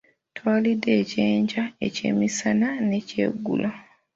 Twalidde Ekyenkya, Ekyemisana n'Ekyeggulo.